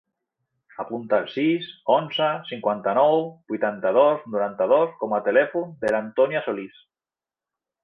Apunta el sis, onze, cinquanta-nou, vuitanta-dos, noranta-dos com a telèfon de l'Antònia Solis.